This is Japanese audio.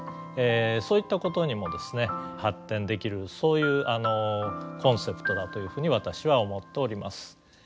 そういったことにもですね発展できるそういうコンセプトだというふうに私は思っております。